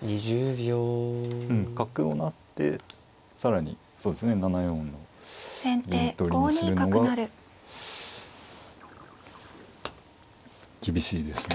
うん角を成って更にそうですね７四の銀取りにするのが厳しいですね。